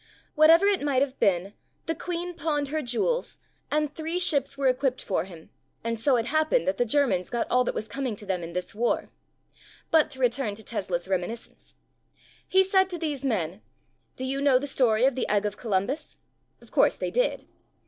Whatever it might have been, the Queen pawned her jewels and three ships were equipt for him and so it happened that the Ger mans got all that was coming to them in this war. But to return to Tesla's reminiscence. He said to these men, "Do you know the story of the Egg of Columbus?" Of course they did.